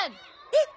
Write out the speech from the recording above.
えっ？